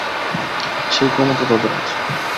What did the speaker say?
সেই ক্ষমতা তাদের আছে।